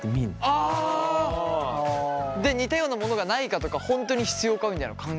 あ！で似たようなものがないかとか本当に必要かみたいなのを考えるんだ。